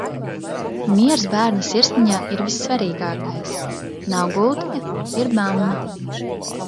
Miers bērna sirsniņā ir vissvarīgākais. Nav gultiņa, ir mamma.